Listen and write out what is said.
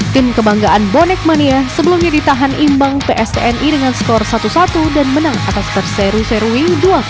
tim kebanggaan bonek mania sebelumnya ditahan imbang pstni dengan skor satu satu dan menang atas perseru serui dua satu